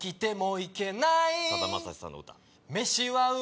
さだまさしさんの歌。